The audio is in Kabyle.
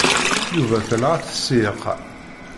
Yuba tenɣa-t ssiɛqa.